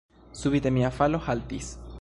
Subite mia falo haltis.